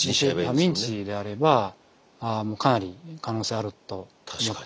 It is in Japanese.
ミンチであればもうかなり可能性あると思っています。